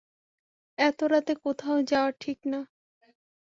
এত রাতে কোথাও যাওয়া ঠিক না।